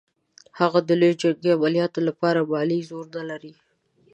هغه د لویو جنګي عملیاتو لپاره مالي زور نه لري.